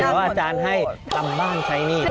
ว่าอาจารย์ให้ทำบ้านใช้หนี้